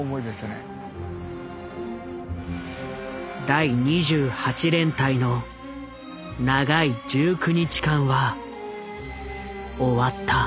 第２８連隊の長い１９日間は終わった。